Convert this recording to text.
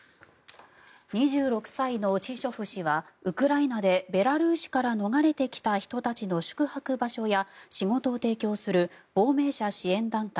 ２６歳のシショフ氏はウクライナでベラルーシから逃れてきた人たちの宿泊場所や仕事を提供する亡命者支援団体